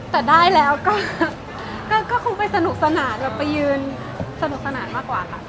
แต่ได้แล้วก็คงไปสนุกสนานแบบไปยืนสนุกสนานมากกว่าค่ะ